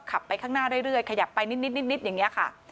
ไปข้างหน้าเรื่อยขยับไปนิดอย่างนี้ค่ะ